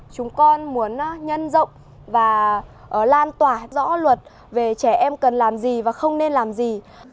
chúng con muốn nhân rộng và lan tỏa rõ luật về trẻ em cần làm gì và không nên làm gì